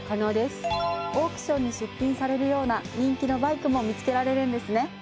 オークションに出品されるような人気のバイクも見つけられるんですね。